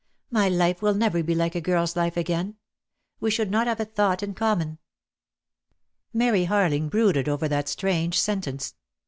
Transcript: My life will never be like a girl's life again. We should not have a thought in common." Mary Harling brooded over that strange sentence.